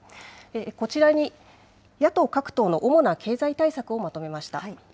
こちらに野党各党の主な経済対策をまとめました。